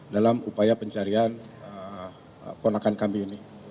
dalam upaya pencarian ponakan kami ini